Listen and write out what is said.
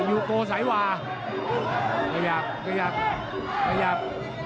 ยูโกสายวาขยับขยับขยับ